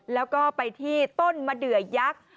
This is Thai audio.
แล้วก็ไปที่ต้นมะเดือยักษ์